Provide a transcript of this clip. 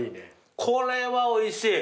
これはおいしい！